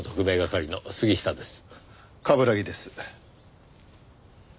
冠城です。